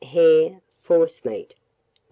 Hare, forcemeat No.